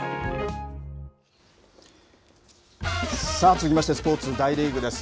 続きましてスポーツ、大リーグです。